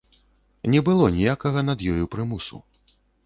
Не было ніякага над ёю прымусу.